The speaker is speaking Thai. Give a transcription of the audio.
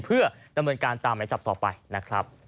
เพื่อดำเนินการตามหมายจับต่อไปนะครับ